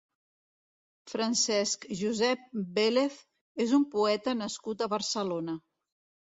Francesc Josep Vélez és un poeta nascut a Barcelona.